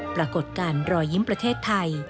ปรากฏการณ์รอยยิ้มประเทศไทย